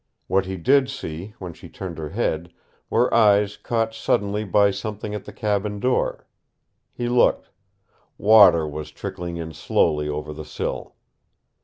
What he did see, when she turned her head, were eyes caught suddenly by something at the cabin door. He looked. Water was trickling in slowly over the sill.